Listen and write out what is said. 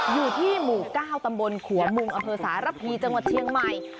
อยู่ที่หมู่๙ตำบลขัวมุงอำเภอสารพีจังหวัดเชียงใหม่